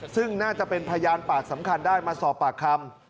ซึ่งน่าจะเป็นพยานปากสำคัญได้มาสอบปากคำ